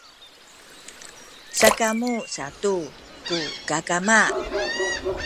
sakamu satu ku kakama